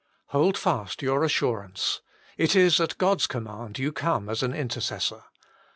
Hold fast your assurance : it is at God s com mand you come as an intercessor.